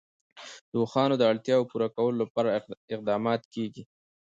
د اوښانو د اړتیاوو پوره کولو لپاره اقدامات کېږي.